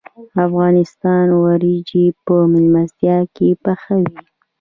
افغانان وریجې په میلمستیا کې پخوي.